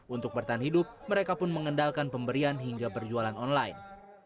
untuk bertahan hidup mereka pun mengendalkan pemberian hingga berjualan online